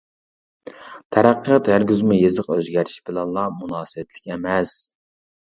تەرەققىيات ھەرگىزمۇ يېزىق ئۆزگەرتىش بىلەنلا مۇناسىۋەتلىك ئەمەس.